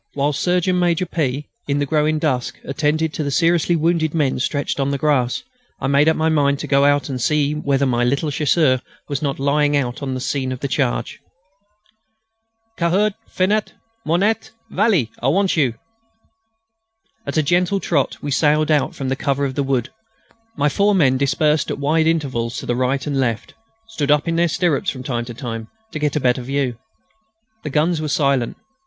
Whilst Surgeon Major P., in the growing dusk, attended to the seriously wounded men stretched on the grass, I made up my mind to go out and see whether my little Chasseur was not still lying out on the scene of the charge. "Cahard, Finet, Mouniette, Vallée, I want you." At a gentle trot we sallied out from the cover of the wood. My four men, dispersed at wide intervals to my right and left, stood up in their stirrups from time to time to get a better view. The guns were silent.